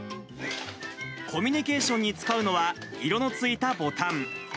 コミュニケーションに使うのは、色のついたボタン。